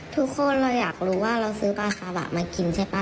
ทุกคนเราอยากรู้ว่าเราซื้อปลาคาบะมากินใช่ป่